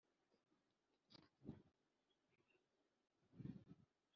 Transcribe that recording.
Ibikomangoma byamanitswe biboshywe ukuboko